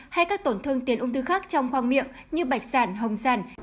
hay các tổn thương tiền ung thư khác trong khoang miệng như bạch sản hồng sản